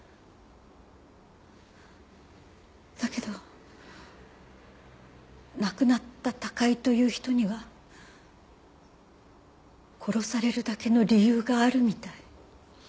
だけど亡くなった高井という人には殺されるだけの理由があるみたい。